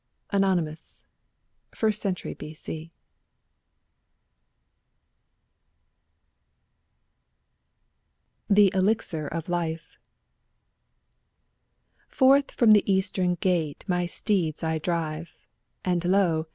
Anon, 1st cent. B.C. 21 THE ELIXIR OF LIFE' Forth from the eastern gate my steeds I drive, And lo!